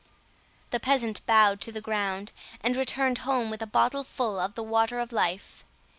The peasant bowed to the ground, and returned home with a bottle full of the water of life.